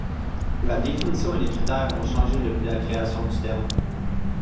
La définition et les critères ont changé depuis la création du terme.